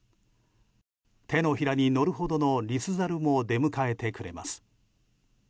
手のひらに乗るほどのリスザルも出迎えてくれます。